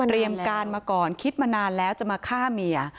การมาก่อนคิดมานานแล้วจะมาฆ่าเมีย